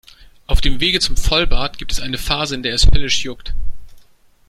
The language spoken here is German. Auf dem Weg zum Vollbart gibt es eine Phase, in der es höllisch juckt.